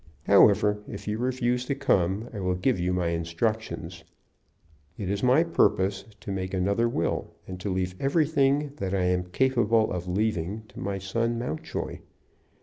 However, if you refuse to come, I will give you my instructions. It is my purpose to make another will, and to leave everything that I am capable of leaving to my son Mountjoy.